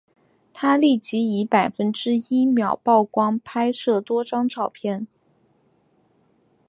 他立即以百分之一秒曝光拍摄多张照片。